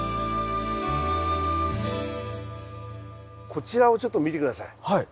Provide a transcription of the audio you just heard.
こちらをちょっと見て下さい。